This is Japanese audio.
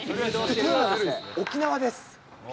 テーマは沖縄です。